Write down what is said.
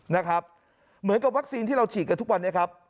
นะครับเหมือนกับวัคซีนที่เราฉีดกันทุกวันนี้ครับ